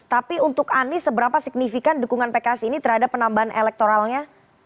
tapi untuk anies seberapa signifikan dukungan pks ini terhadap penambahan elektoralnya